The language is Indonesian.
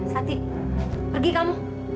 sati pergi kamu